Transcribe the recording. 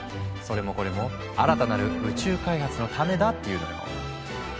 それもこれも新たなる宇宙開発のためだっていうのよ。